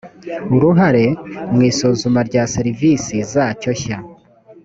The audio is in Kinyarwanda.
uruhare mu isuzuma rya serivisi zacyo nshya